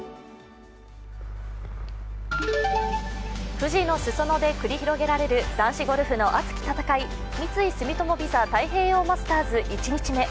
富士のすそ野で繰り広げられる男子ゴルフの熱き戦い、三井住友ＶＩＳＡ太平洋マスターズ１日目。